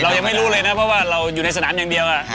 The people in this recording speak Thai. ยังไม่รู้เลยนะเพราะว่าเราอยู่ในสนามอย่างเดียว